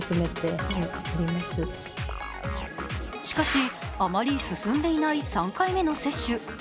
しかし、あまり進んでいない３回目の接種。